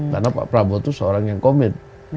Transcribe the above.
karena pak prabowo itu seorang yang komit